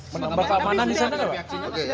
menambah keamanan disana gak pak